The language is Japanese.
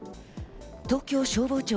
東京消防庁